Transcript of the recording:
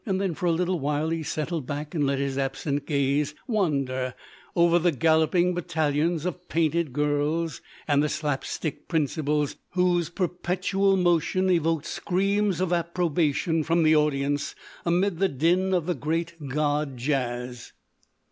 Then, for a little while, he settled back and let his absent gaze wander over the galloping battalions of painted girls and the slapstick principals whose perpetual motion evoked screams of approbation from the audience amid the din of the great god Jazz.